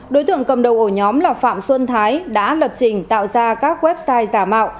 đối tượng cầm đầu ổ nhóm là phạm xuân thái đã lập trình tạo ra các website giả mạo